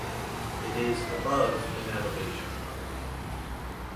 It is above in elevation.